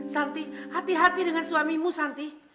santi hati hati dengan suamimu santi